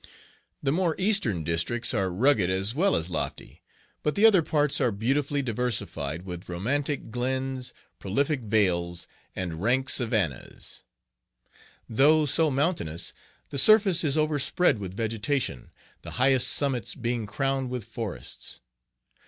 The more eastern districts are rugged as well as lofty, but the other parts are beautifully diversified with romantic glens, prolific vales, and rank savannahs. Though so mountainous, the surface is overspread with vegetation, the highest summits being crowned with forests.